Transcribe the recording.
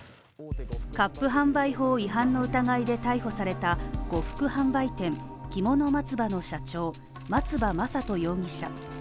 割賦販売法違反の疑いで逮捕された呉服販売店きもの松葉の社長松葉将登容疑者。